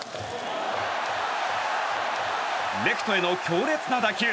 レフトへの強烈な打球。